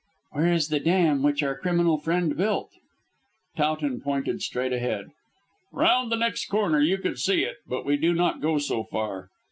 "Where is the dam which our criminal friend built?" Towton pointed straight ahead. "Round the next corner you could see it, but we do not go so far.